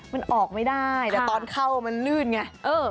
มันออกไม่ได้แต่ตอนเข้ามันลื่นไง